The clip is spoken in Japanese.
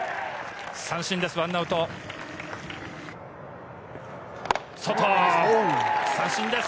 三振です。